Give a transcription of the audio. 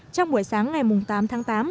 trong buổi sáng ngày tám tháng tám